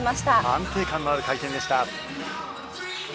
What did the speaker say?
安定感のある回転でした。